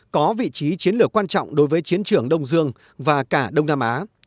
có vị trí chiến lược quan trọng đối với chiến trường đông dương và cả đông nam á